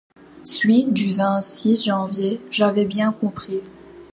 Suite du vingt-six janvier. — J’avais bien compris.